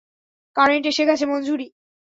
Current এসে গেছে, মঞ্জুরী!